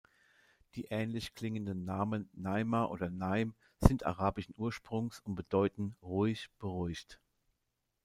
Die ähnlich klingenden Namen Naima oder Naim sind arabischen Ursprungs und bedeuten „ruhig, beruhigt“.